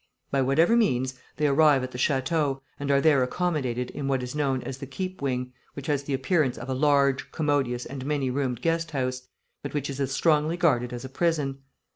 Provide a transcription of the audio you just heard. By whatever means, they arrive at the château, and are there accommodated in what is known as the Keep Wing, which has the appearance of a large, commodious and many roomed guest house, but which is as strongly guarded as a prison.